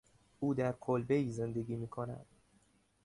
او در کلبهای زندگی میکند.